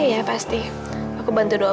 ya pasti aku bantu doa